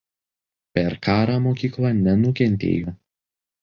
Per karą mokykla nenukentėjo.